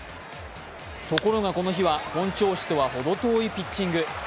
ところがこの日は本調子とはほど遠いピッチング。